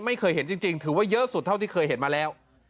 ไม่เคยเห็นจริงถือว่าเยอะสุดเท่าที่เคยเห็นมาแล้ว